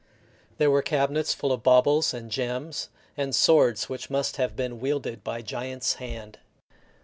There were cabinets full of baubles and gems, and swords which must have been wielded by giant's hand.